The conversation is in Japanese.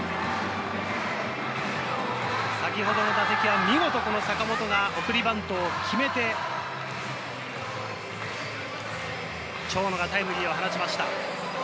先ほどの打席は見事坂本が送りバントを決めて、長野がタイムリーを放ちました。